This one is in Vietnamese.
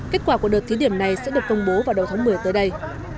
kết quả của đợt thí điểm này sẽ được công bố vào đầu tháng một mươi tới đây